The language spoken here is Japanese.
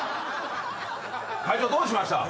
隊長どうしました？